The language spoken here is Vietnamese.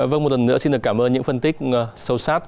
vâng một lần nữa xin được cảm ơn những phân tích sâu sát